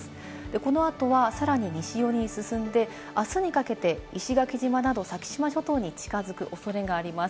この後はさらに西寄りに進んで、あすにかけて、石垣島など先島諸島に近づくおそれがあります。